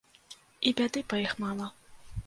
І бяды па іх мала.